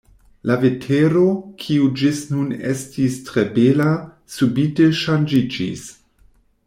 La vetero, kiu ĝis nun estis tre bela, subite ŝanĝiĝis.